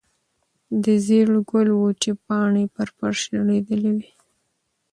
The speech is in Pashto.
د زېړ ګل وچې پاڼې پر فرش رژېدلې وې.